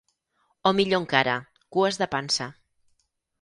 O millor encara, cues de pansa.